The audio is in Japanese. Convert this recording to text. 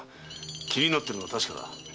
気になってるのは確かだ。